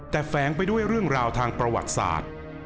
แต่แฝงไปด้วยเรื่องราวทางประวัติศาสตร์